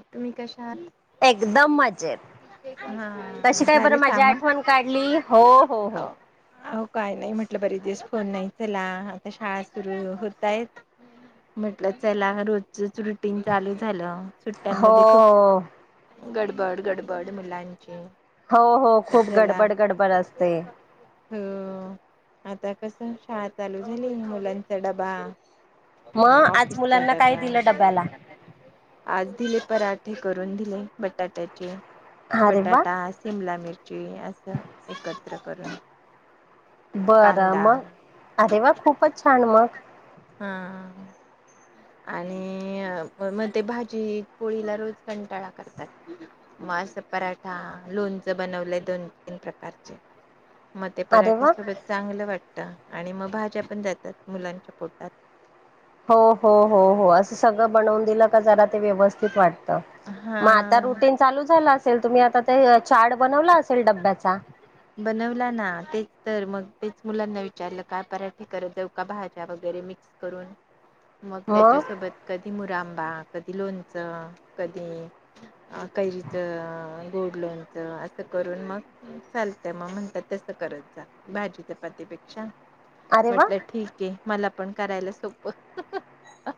तुम्ही कशा आहात? एकदम मजेत हा कशी काय बरं झाली माझी काम? आठवण काडली हो हो हो. हो काय नाही म्हटलं बरेच दिवस फोन नाही चला आता शाळा सुरू होतायत. म्हटलं चला रोजचच रुटीग चालू झालं. सुट्ट्यांमध्ये हो खूप गडबड गडबड मुलांची हो हो खूप गडबड गडबड असते. हम आता कस शाळा चालू झाली मुलांचा डबा. अ मग आज ऑफिस मुलांना काय डबा. दिलं डब्याला आज दिले पराठे करून दिले बटाट्याचे अरे वा बटाटा शिमला मिर जे असा एकत्र करून बरं कांदा मग अरे वा खूपच छान मग हा आणि म ते भा जी पोळीला रोज कंटाळा करतात. मग अस पराठा लोणचं बनवलंय दोन, तीन प्रकारचे मग ते अरे पराठे वा सोबत चांगलं वाटतं आणि मग भाज्या पण जातात मुलांच्या पोटात हो हो हो हो असं सगळं बनवून दिलं का जरा ते व्यवस्थित वाटत. मग आता हा. रुटीन चालू झालं असेल तुम्ही आता ते चार्ट बनवला असेल डब्याचा बनवला ना तेच तर मग तेच मुलांना विचारलं काय पराठे करत जाऊ का भाज्या वगैरे मिक्स करून मग त्याच्या सोबत कधी मुरांबा कधी लोणचं कधी अ कैरीच गोड लोनचं असं करून मग चालत मग म्हणतात तसं करत जा भाजी चपाती पे क्षा अरे वा म्हटलं ठीक आहे मला पण करायला सोपं.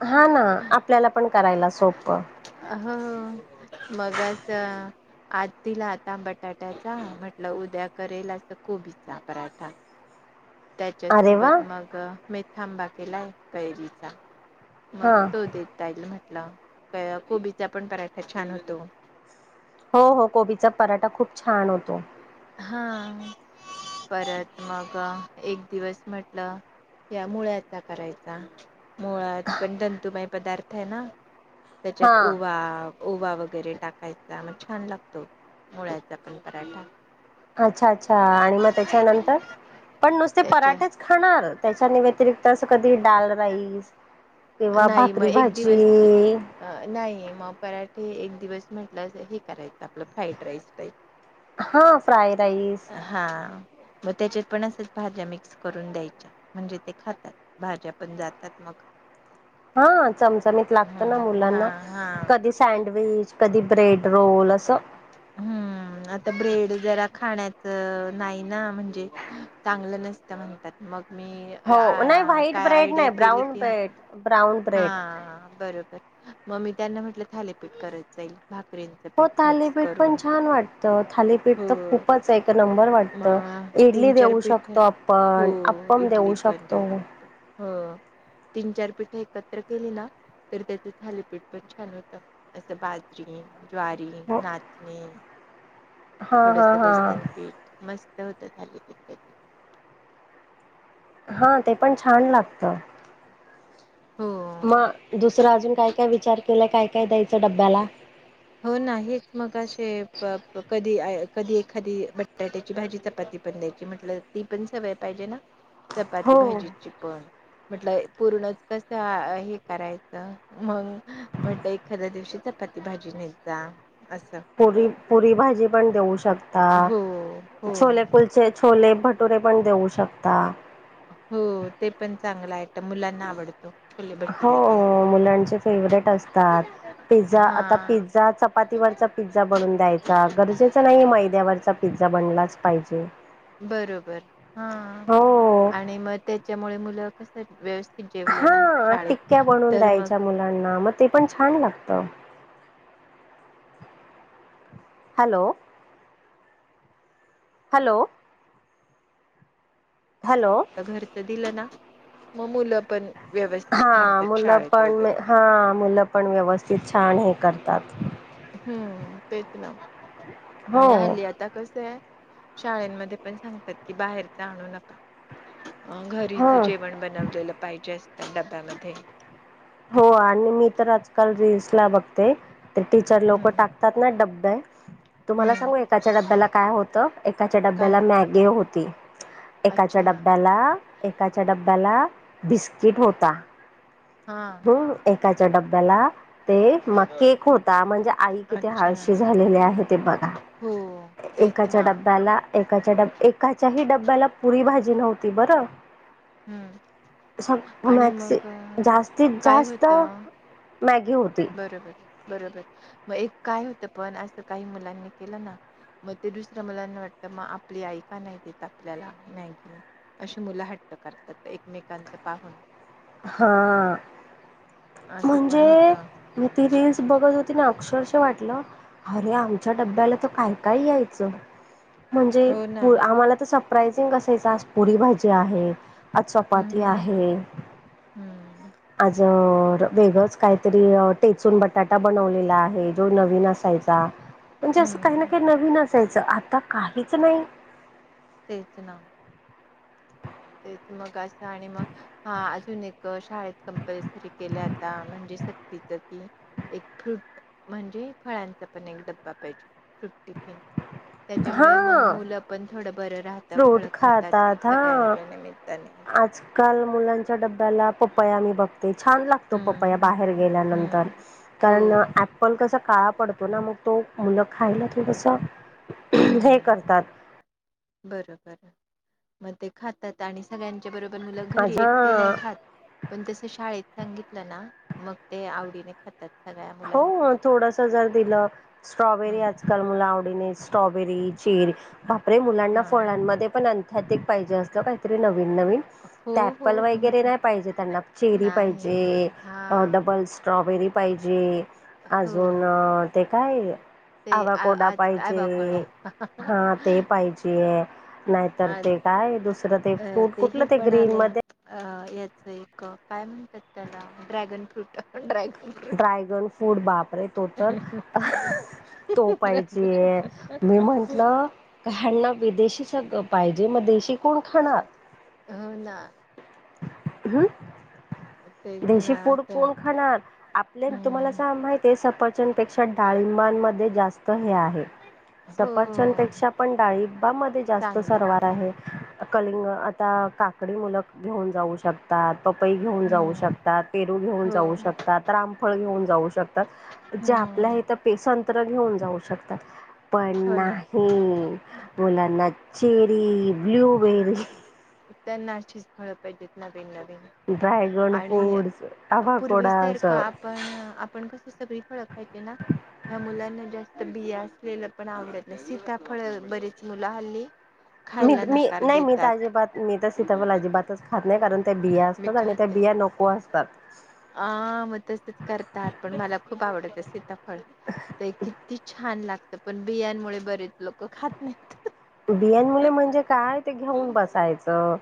हा ना आपल्याला पण करायला सोप. हो मगं असं आज दिला आता बटाट्याचा म्हटलं उद्या करेल अस कोबीचा पराठा. अरे वा त्याच्यासोबत मग मेथांबा केलाय कैरीचा. मग हा तो देतईल म्हटला कोबीचा पण पराठा छान होतो. हो हो कोबीचा पराठा खूप छान होतो. हा. परत मग एक दिवस म्हटलं या मुळ्याचा करायचा. मुळात पण दंतुमय पदार्थ आहे ना हा त्याच्यात ओवा ओवा वगैरे टाकायचा मग छान लागतो मुळ्याचा पण पराठा. अच्छा अच्छा आणि मग त्याच्यानंतर पण नुसते त्याचे पराठेच खाणार त्याच्या नी वतिरिक्त तसं कधी डाल राईस किंवा नाही मग भाकरी एक दिवस भाजी नाही मग पराठे एक दिवस म्हटलं हे करायचं आपलं फ्राईड राईस ह फ्राय राईस हा म त्याच्यात पण असेच भाज्या मिक्स करून द्यायच्या म्हणजे ते खातात भाज्या पण जातात मग हा चमचमीत ह लागत ना हा मुलांना हा कधी सँडविच कधी ब्रेड रोल असं हम्म. आता ब्रेड जरा खाण्याच नाही ना म्हणजे चांगलं नसतं म्हणतात. मग मी हो नाही व्हाईट काय ब्रेड आयडिया नाही केली ब्राऊन की ब्रेड ब्राऊन ब्रेड हा बरोबर मग मी त्यांना म्हटलं थालीपीठ करत जाईल. भाकरींचं हो पीठ मिक्स थालीपीठ करून पण छान वाटतं थालीपीठ हो तर खूपच एक नंबर म वाटतं. तीन इडली चार देऊ पीठ शकतो हो आपण अप्पम इडली देऊ पण शकतो. देऊ शकतो. हा तीन चार पिठा एकत्र केले ना तर त्याच थालीपीठ पण छान होत अस बा त्री ज्वारी हो नाचणी हा हा थोडंसं हा बेसन पीठ मस्त होतं थालीपीठ त्याचं. हा ते पण छान लागतं. हो. मग दुसरं अजून काय काय विचार केलाय काय काय द्यायचं डब्याला? हो ना हे च मग असे कधी-कधी एखादी बटाट्याची भाजी चपाती पण द्यायची म्हटलं ती पण सवय पाहिजे ना चपाती हो. भाजीची पण म्हटलं पूर्णच कसं हे करायचं मग म्हटलं एखाद्या दिवशी चपाती भाजी तिन्हीच जा असं पुरी पुरी भाजी पण देऊ शकता हो हो. छोले कुल छोले भटुरे पण देऊ शकता. हो ते पण चांगलं आहे मुलांना आवडत. हो मुलांचे फेवरेट असतात. पिझ्झा हा आता पिझ्झा चपातीवरचा पिझ्झा बनून द्यायचा गरजेच नाही मैद्यावरचा पिझ्झा बनलाच पाहिजे. बरोबर हा हो आणि मग त्याच्यामुळे मुलं कस व्यवस हा टिक्क्या बनवून मग द्यायच्या मुलांना मग ते पण छान लागत. Hello hello hello. घरच दिलं ना मग मुलं पण व्यवस्थित हा थांबतात मुलं शाळेत पण वगैरे हा मुलं पण व्यवस्थित छान हे करतात. हम्म तेच ना हो आणि हल्ली आता कसं आहे शाळेनमध्ये पण सांगतात की बाहेरच आणू नका. अ घरीच हो जेवण बनवलेलं पाहिजे असतं डब्यामध्ये हो आणि मी तर आजकाल रिल्सला बघते. तर टीचर लोक हम्म टाकतात ना डब्यात. तुम्हाला हम्म सांगू एकाच्या डब्याला काय होतं, एकाच्या डब्याला काय मॅगी गे होती एकाच्या अच्छा डब्याला एकाच्या डब्याला बिस्किट होता. हां एकाच्या डब्याला, ते मग केक होता म्हणजे आई किती अच्छा आळशी झालेली आहे ते बघा हो तेच एकाच्या ना डब्याला एकाच्या ड एकाच्या ही डब्याला पुरी भाजी नव्हती बरं. हम्म स आणि मॅक्सि मग अ, जास्तीत काय जास्त होतं मॅगी होती बरोबर बरोबर मग एक काय होतं पण असं काही मुलांनी केलं ना मग ते दुसऱ्या मुलांना वाटतं मग आपली आई का नाही देत आपल्याला मॅगी अशी मुलं हट्ट करतात एकमेकांच पाहून. हा असं पण म्हणजे होतं. मग ती रीलस बघत होती ना अक्षरश वाटलं अरे आमच्या डब्याला तर काय-काय यायचं म्हणजे हो ना. आम्हाला तर सरप्राइझिंग असायचं आज पुरी भाजी आहे. आज चपाती हम्म, आहे. हम्म आज वेगळच काहीतरी टेचून बटाटा बनवलेला आहे जो नवीन असायचा. म्हणजे असं काही ना हम्म. काही नवीन असायचं आता काहीच नाही तेच ना. तेच मग असं आणि मग हा अजून एक शाळेत कंपल्सरी केल्या आता म्हणजे सक्तीच की एक फ्रूट म्हणजे फळांचा पण एक डबा पाहिजे फ्रूट टिफिन. त्याच्यामुळे मग हा मुलं पण थोडं बरं राहतं फ्रूट फळ खातात सगळ्यां हा आजकाल मुलांच्या डब्याला पपया मी बघत ते छान लागतो पपया हम्म बाहेर गेल्यानंतर हम्म. हो कारण अँपल कस काळा पडतो ना मग तो मुलं खायला थोडस हे करतात बरबर म ते खातात आणि सगळ्यांच्या बरोबर मुलं घरी आज एकटी नाही हा खात. पण तसं शाळेत सांगितलं ना मग ते आवडीने खातात. सगळ्या हो मुलांसोबत. थोडस जर दिलं स्ट्रॉबेरी या हम्म तर मुल आवडीने स्ट्रॉबेरी, चेरी बापरे मुलांना हा फळांमध्ये पण अन्थेटिक पाहिजे असतं काहीतरी नवीन नवीन. हो ते हो अँप्पल हो वगैरे नाही पाहिजे त्यांना चेरी नाही. पाहिजे हा डबल स्ट्रॉबेरी पाहिजे हो अजून ते काय ते आ आवाकोडा आज काय पाहिजे, बाकोडा हा ते पाहिजे. नाहीतर आज ते काय दुसरं ते अ फ्रुट हे कुठलं ते पण आले ग्रीनमध्ये अ याच एक काय म्हणतात त्याला dragon fruit drag dragon fruit बापरे तो तर तो फ्रूट पाहिजे मी म्हंटलं यांना विदेशी सगळं पाहिजे मग देशी कोण खाणार? हो ना. [inaudible] तेच देशी ना फूड असं कोण खाणार? आपले तुम्हाला हम्म सां माहित आहे सफरचंपेक्षा डाळबांमध्ये जास्त हे आहे हो सपरचंपेक्षा पण डाळिबामध्ये जास्त चांगलं सरवार आहे हम्म कलिंग आता काकडी मुलक घेऊन जाऊ शकतात पपई घेऊन जाऊ हम्म शकतात शकतात पेरू घेऊन हो जाऊ शकतात रामफळ घेऊन जाऊ शकतात जे आपल्या हम्म तर संत्र घेऊन जाऊ शकतात पण हो ना नाही बोला ना चेरी ब्लूबेरी त्यांना अशीच फळ पाहिजेत नवीन नवीन ड्रॅगन आणि फ्रूट्स, आवाकोडा पूर्वीसारख असं आपण आपण कस सग फळाय ना ह मुलांना जात बिया असलेलं पण आवतत नाही सीताफळ बरीेच मुलं हल्ली मी खायला मी नकार नाही मी तर देतात अजिबात मी तर सीताफळ अजिबातच खात नाही कारण त्या बिया मी असतात आणि त्या बिया नको असतात ह मग तसेच करतात पण मला खूप आवडत सीता ते किती छान लागत पण, बियां बियां मुळे म्हणजे काय? ते घेऊन बसायचं.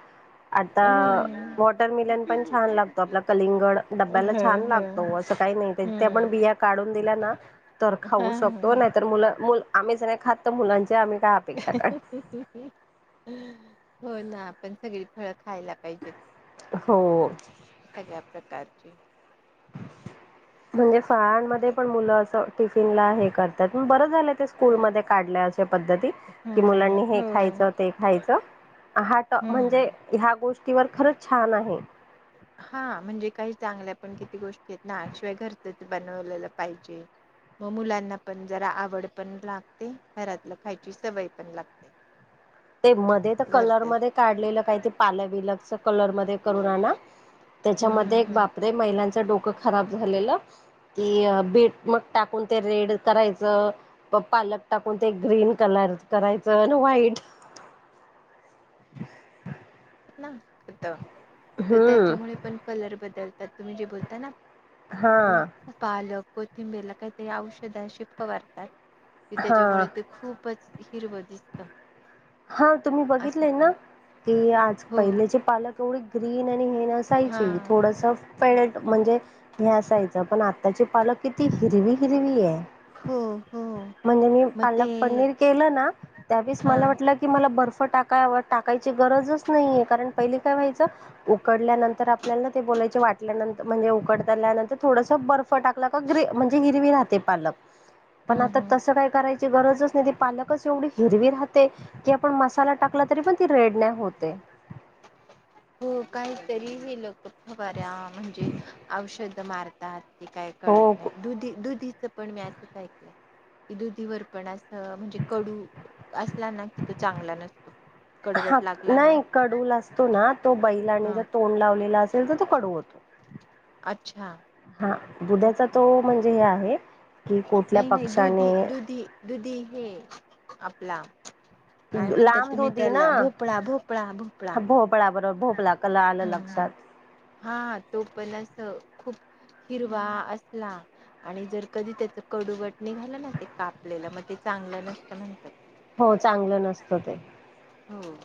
आता हम्म वॉटरमिलन पण छान लागतो, आपला कलिंगड डब्याला ह छान ह लागतो, असं काही नाही ते पण हम्म बिया काढून दिल्या ना, तर हा खाऊ शकतो ह नाहीत मुलं मुल आम्हीच नाही खात त मुलांचे आम्ही का [inaudible] हो ना, आपण सगळी फळं खायला पाहिजेत. हो. सगळ्या प्रकारची. म्हणजे फाळांमध्ये पण, मुलं असं, टिफिन ला हे करतात, बरं झालं ते स्कूलमध्ये काढल्या अशा पद्धती, हम्म मुलांनी हे हो खायचं, ते खायचं हाट, म्हणजे हम्म. ह्या गोष्टीवर खरंच छान आहे. हा म्हणजे काही चांगल्या पण किती गोष्टीयेत ना, शिवाय घरचच बनवलेलं पाहिजे. मग मुलांना पण जरा आवड पण लागते, घरातलं खायची सवय पण लागते. [inaudible] ते मध्ये त, कलर घरचच. मध्ये काढलेलं काही ते पाल बिलाच कलर मध्ये करून आना, हम्म हम्म त्याच्यामध्ये एक हम्म. बापरे, महिलांचं डोकं खराब झालेलं. कि बीट मग टाकून ते रेड करायचं, प पालक टाकून ते ग्रीन कलर करायचंन, व्हाईट [unintelligible] आता त हम्म त्याच्यामुळे पण कलर बदलतात, तुम्ही जे बोलता ना, हा पालक कोथिंबीरला काहीतरी औषध अशी फवारतात. की हा त्याच्यामुळे ते खूपच हिरवं दिसत. हा तुम्ही असं बघितले ना, पण की आज हो पहिलेचे पालक एवढे ग्रीन आणि हे नस हा सायली, थोडस फेट म्हणजे हे असायचं, पण आत्ताचे पालक किती हिरवी हिरवी ये. हो हो म्हणजे मी मग ते पालक पनीर केलं ना, त्यावेळेस हा मला वाट की मला बर्फ टाकावं, टाकायची गरजच नाहीये, कारण पहिली काय व्हायचं, उकडल्यानंतर आपल्याला ते बोलायचे वाटल्यानंतर म्हणजे उकडताल्यानंतर, थोडस बर्फ टाकलाग ग्रे म्हजे हिरवी राहते पालक. हा ना. पण आता तसं काय करायची गरजच नाही, ती पालकच एवढी हिरवी राहते. की आपण मसाला टाकला तरी पण, ती रेड नाही होते. हो काहीतरी हे लोक फवऱा, म्हणजे औषध मार तात की काय हो कळत नाही, दुधी दुधीच पण मी असंच ऐकलंय. की दुधीवर पण असं म्हणजे कडू असला ना कि, तो चांगला नसतो. कडवट लागला ना, कडूला असतो ना, तो बैलाने ज हा तोंड लावलेल असेल, त तो कडू होतो. अच्छा. हा दुध्याचा ओके तो म्हणजे हे आहे. की कुठल्या नाही, नाही, दुधी पक्षाने दुधी दुधी हे आपला काय म्हणतात, लांब तुम्ही दुधी ना त्याला, भोपळा, भोपळा, भोपळा. हा भोपळा बर भोपला कल आलं हम्म लक्षात. हा तो पण अस, खूप हिरवा असला, आणि जर कधी, त्याच कडूवट निघालं ना, ते कापलेलं मग ते चांगलं नसतं म्हणतात. हो चांगलं नसतं ते. हो.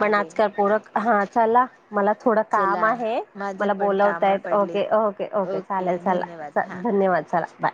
पण आजकाल पोरक हा चला, मला थोडं काम चला आहे, माझे मला पण काम बोलवताय. ओके ओके पडलेत ओके चालेल, धन्यवाद चला, हा धन्यवाद चला बाय.